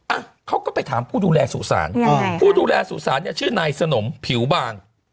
อ่ะเขาก็ไปถามผู้ดูแลสุสานผู้ดูแลสุสานเนี่ยชื่อนายสนมผิวบาง